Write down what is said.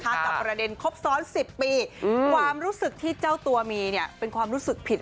กับประเด็นครบซ้อน๑๐ปีความรู้สึกที่เจ้าตัวมีเนี่ยเป็นความรู้สึกผิด